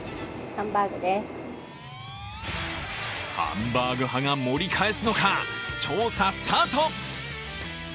ハンバーグ派が盛り返すのか調査スタート。